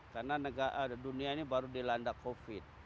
karena dunia ini baru dilanda covid